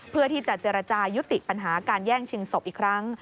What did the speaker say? เพื่อที่จะเจรจายุติปัญหาการแย่งชิงศพอีกครั้ง